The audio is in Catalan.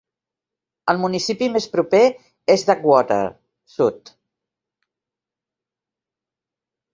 El municipi més proper és Duckwater, sud.